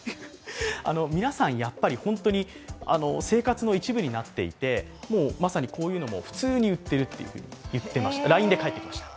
皆さん、本当に生活の一部になっていて、まさにこういうのも普通に売っているとＬＩＮＥで返ってきました。